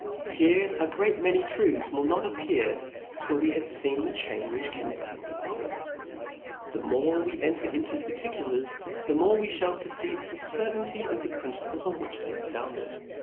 Here d great many truths will not appear, till w6 have fccn the chain which connects thi*m with others. The more we enter into particulars, the more we fhall perceive the cer^ ttiiity of the principles on which they are founded.